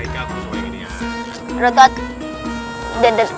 allahumma barik lana fi marzak